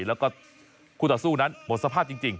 แล้วก็คู่ต่อสู้นั้นหมดสภาพจริง